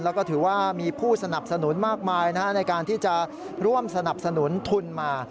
แล้วก็ถือว่ามีผู้สนับสนุนมากมายในการที่จะร่วมสนับสนุนทุนมา